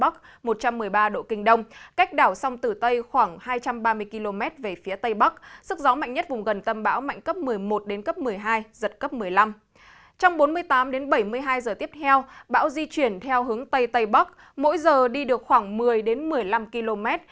trong bốn mươi tám bảy mươi hai giờ tiếp theo bão di chuyển theo hướng tây tây bắc mỗi giờ đi được khoảng một mươi một mươi năm km